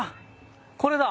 これだ。